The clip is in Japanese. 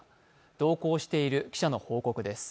同行している記者の報告です。